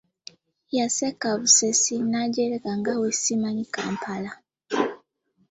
Yaseka busesi n'anjerega nga bwe simanyi Kampala.